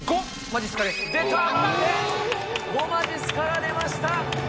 ５まじっすかが出ました。